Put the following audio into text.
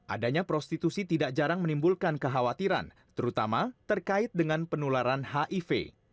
adanya prostitusi tidak jarang menimbulkan kekhawatiran terutama terkait dengan penularan hiv